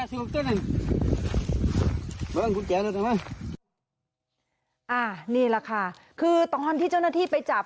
นี่แหละค่ะคือตอนที่เจ้าหน้าที่ไปจับ